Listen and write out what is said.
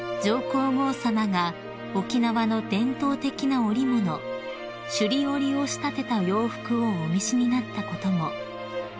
皇后さまが沖縄の伝統的な織物首里織を仕立てた洋服をお召しになったことも］